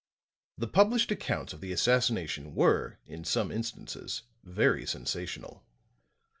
The published accounts of the assassination were, in some instances, very sensational.